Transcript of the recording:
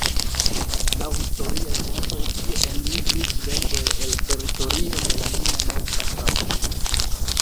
Laŭ historiaj fontoj tie enmigris belgoj el teritorio de la nuna norda Francio.